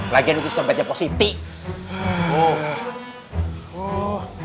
lagi ini sebetnya positif